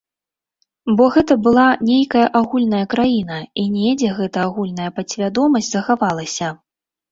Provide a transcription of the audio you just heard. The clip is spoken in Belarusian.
Бо гэта была нейкая агульная краіна і недзе гэта агульная падсвядомасць захавалася.